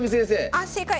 あっ正解！